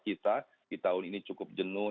kita di tahun ini cukup jenuh